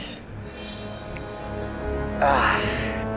mas bayu itu